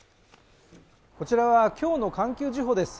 こちらは今日の「環球時報」です。